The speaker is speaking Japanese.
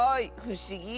ふしぎ！